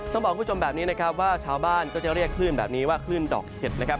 ต้องบอกคุณผู้ชมแบบนี้นะครับว่าชาวบ้านก็จะเรียกคลื่นแบบนี้ว่าคลื่นดอกเห็ดนะครับ